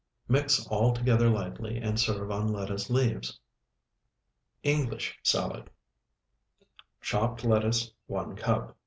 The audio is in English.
Mix all together lightly, and serve on lettuce leaves. ENGLISH SALAD Chopped lettuce, 1 cup.